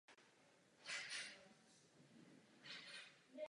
Jedná se o křížový kostel s kupolí a s obdélníkovým půdorysem.